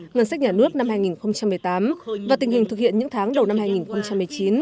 ngân sách nhà nước năm hai nghìn một mươi tám và tình hình thực hiện những tháng đầu năm hai nghìn một mươi chín